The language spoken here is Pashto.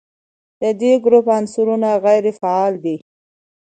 د دې ګروپ عنصرونه غیر فعال دي.